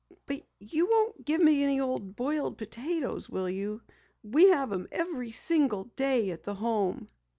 "But you won't give me any old boiled potatoes, will you? We have 'em every single day at the Home."